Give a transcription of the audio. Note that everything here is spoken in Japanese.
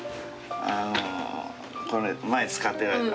あのこれ前使ってらした。